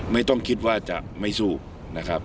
ไม่ต้องคิดว่าจะไม่สู้นะครับ